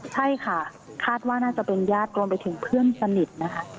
ใช่ค่ะคาดว่าน่าจะเป็นญาติรวมไปถึงเพื่อนสนิทนะคะ